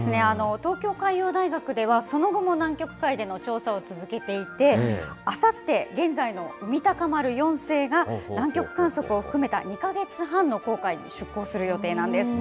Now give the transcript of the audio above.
東京海洋大学では、その後も南極海での調査を続けていて、あさって、現在の海鷹丸４世が南極観測を含めた２か月半の航海に出航する予定なんです。